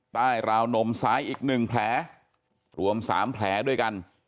ใต้ราวนมซ้ายอีกหนึ่งแผลรวมสามแผลด้วยกัน